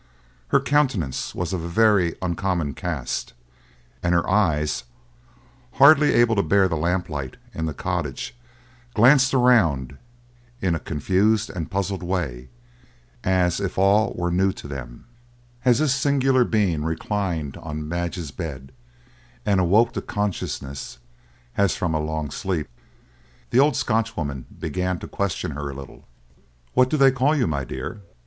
Her countenance was of a very uncommon cast, and her eyes, hardly able to bear the lamp light in the cottage, glanced around in a confused and puzzled way, as if all were new to them. As this singular being reclined on Madge's bed and awoke to consciousness, as from a long sleep, the old Scotchwoman began to question her a little. "What do they call you, my dear?"